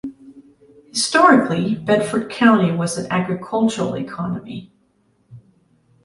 Historically, Bedford County was an agricultural economy.